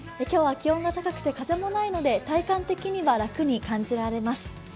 今日は気温が高くて風もないので体感的には楽に感じられます。